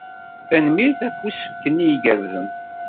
Tanemmirt ɣef usefk-nni igerrzen.